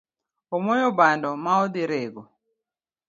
Omoyo bando ma odhi rego